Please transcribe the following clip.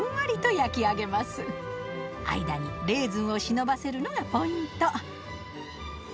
間にレーズンを忍ばせるのがポイント。